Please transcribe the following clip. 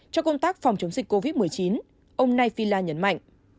cho công tác phòng chống dịch covid một mươi chín ông nai phila nhấn mạnh